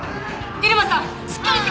入間さん！